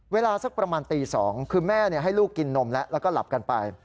เวลาสักประมาณตี๒คือแม่ให้ลูกกินนมแล้วแล้วก็หลับกันไป